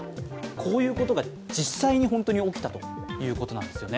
こういうことが実際に本当に起きたということなんですよね。